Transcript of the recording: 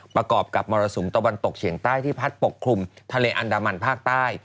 ประกอบกับมรสุมตะวันตกเฉียงใต้ที่พัดปกคลุมทะเลอันดามันภาคใต้